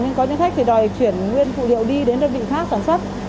nhưng có những khách thì đòi chuyển nguyên phụ liệu đi đến đơn vị khác sản xuất